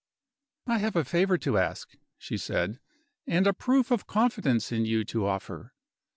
"I have a favor to ask," she said, "and a proof of confidence in you to offer.